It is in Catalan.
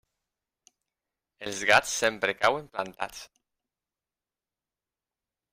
Els gats sempre cauen plantats.